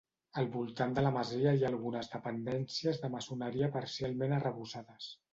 Al voltant de la masia hi ha algunes dependències de maçoneria parcialment arrebossades.